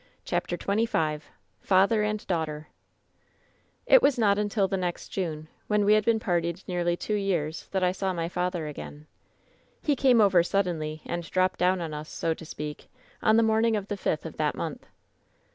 CHAPTER XXV FATHEB AND DAUOHTEB ^^It was not until the next June, when we had been parted nearly two years, that I saw my father again. "He came over suddenly and dropped down on us, so to speak, on the morning of the fifth of that month.